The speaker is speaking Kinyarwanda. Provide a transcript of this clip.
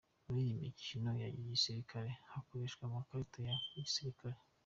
Muri iyi mikino ya gisirikare hakoreshwa amakarita ya gisirikare.